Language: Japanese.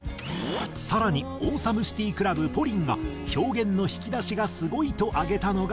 更にＡｗｅｓｏｍｅＣｉｔｙＣｌｕｂＰＯＲＩＮが「表現の引き出しがすごい」と挙げたのがこの曲。